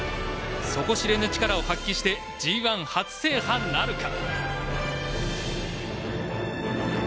底知れぬ力を発揮してＧＩ初制覇なるか。